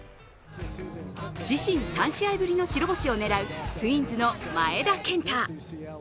自身３試合ぶりの白星を狙うツインズの前田健太。